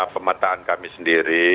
pemetaan kami sendiri